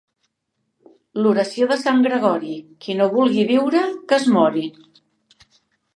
L'oració de Sant Gregori, qui no vulgui viure que es mori.